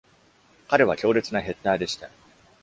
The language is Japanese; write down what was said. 彼は強烈なヘッダーでした。